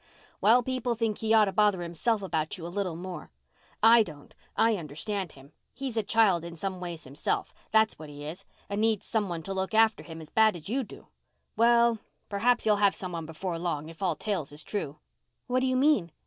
"Well, people think he ought to bother himself about you a little more. I don't—I understand him. He's a child in some ways himself—that's what he is, and needs some one to look after him as bad as you do. Well, perhaps he'll have some one before long, if all tales is true." "What do you mean?"